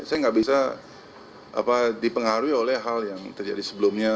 saya nggak bisa dipengaruhi oleh hal yang terjadi sebelumnya